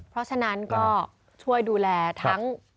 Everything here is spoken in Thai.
เพราะฉะนั้นก็ช่วยดูแลทั้ง